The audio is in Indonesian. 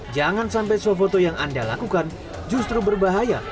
jangan sampai suap foto yang anda lakukan justru berbahaya